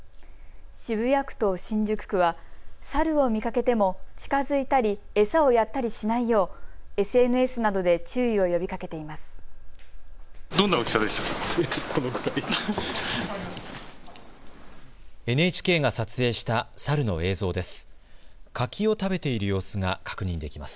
渋谷区と新宿区は、サルを見かけても近づいたり餌をやったりしないようＳＮＳなどで注意を呼びかけています。